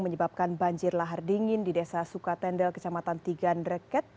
menyebabkan banjir lahar dingin di desa sukatendel kecamatan tigandreket